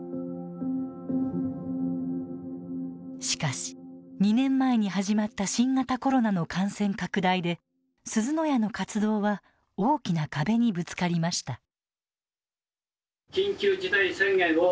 しかし２年前に始まった新型コロナの感染拡大ですずの家の活動は大きな壁にぶつかりました。